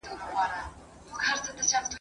او منلي هوښیارانو د دنیا دي ,